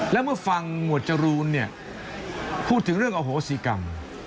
แล้วเมื่อฟังหมวดจรูนพูดถึงเรื่องโอโฮศิกรรม